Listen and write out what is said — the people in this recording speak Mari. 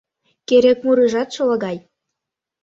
Керек мурыжат шолагай